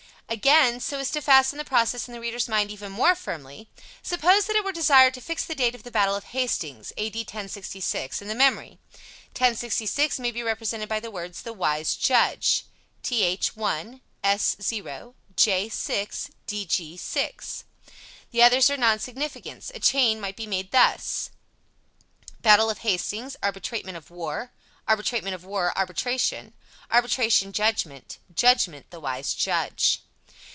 Again, so as to fasten the process in the reader's mind even more firmly, suppose that it were desired to fix the date of the battle of Hastings (A. D. 1066) in the memory; 1066 may be represented by the words "the wise judge" (th 1, s 0, j 6, dg 6; the others are non significants); a chain might be made thus: Battle of Hastings arbitrament of war. Arbitrament of war arbitration. Arbitration judgment. Judgment the wise judge.